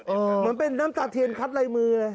เหมือนเป็นน้ำตาเทียนคัดลายมือเลย